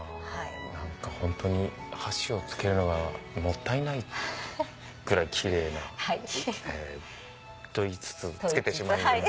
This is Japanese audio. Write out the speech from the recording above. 何かホントに箸をつけるのがもったいないくらいキレイな。と言いつつつけてしまいます。